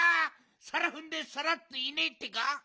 さらふんでさらっといねえってか。